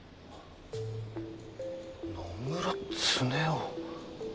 野村恒雄。